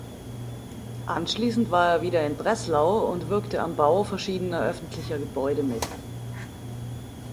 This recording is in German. Anschließend war er wieder in Breslau und wirkte am Bau verschiedener öffentlicher Gebäude mit.